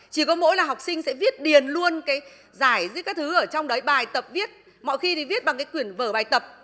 chỉ có mỗi là học sinh sẽ viết điền luôn cái giải giữa các thứ ở trong đấy bài tập viết mọi khi thì viết bằng cái quyển vở bài tập